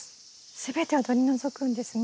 全てをとりのぞくんですね。